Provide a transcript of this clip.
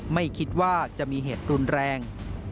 ไม่คิดว่าจะมีเหตุรุนแรง